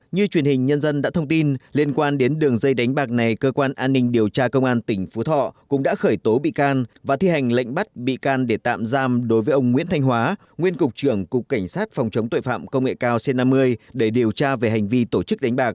như truyền hình nhân dân đã thông tin liên quan đến đường dây đánh bạc này cơ quan an ninh điều tra công an tỉnh phú thọ cũng đã khởi tố bị can và thi hành lệnh bắt bị can để tạm giam đối với ông nguyễn thanh hóa nguyên cục trưởng cục cảnh sát phòng chống tội phạm công nghệ cao c năm mươi để điều tra về hành vi tổ chức đánh bạc